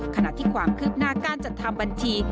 ขณะที่ความคืบหน้าการจัดทำบัญชี